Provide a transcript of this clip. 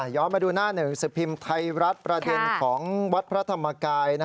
มาดูหน้าหนึ่งสิบพิมพ์ไทยรัฐประเด็นของวัดพระธรรมกาย